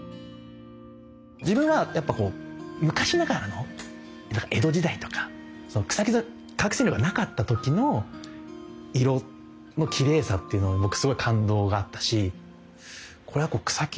自分はやっぱこう昔ながらの江戸時代とかその草木染め化学染料がなかった時の色のきれいさっていうのを僕すごい感動があったし草木